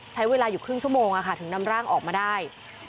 ใช้เวลาอยู่ครึ่งชั่วโมงถึงนำร่างออกมาได้